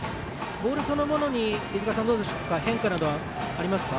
ボールそのものに変化などはありますか。